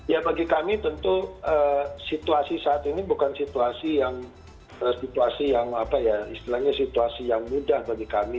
ya bagi kami tentu situasi saat ini bukan situasi yang istilahnya mudah bagi kami